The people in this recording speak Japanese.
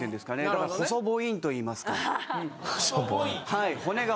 だから細ボインといいますか。